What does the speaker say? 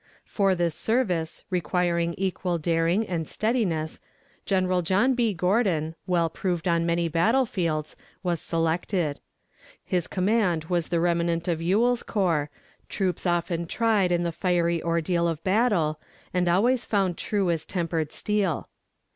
For this service, requiring equal daring and steadiness, General John B. Gordon, well proved on many battle fields, was selected. His command was the remnant of Ewell's corps, troops often tried in the fiery ordeal of battle, and always found true as tempered steel.